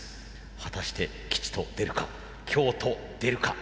果たして吉と出るか凶と出るか。